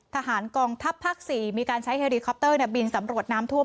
ทหารกองทัพภาค๔มีการใช้เฮริคอปเตอร์บินสำรวจน้ำท่วม